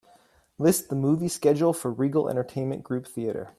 List the movie schedule for Regal Entertainment Group theater.